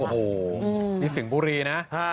โอ้โหนี่สิงห์บุรีนะ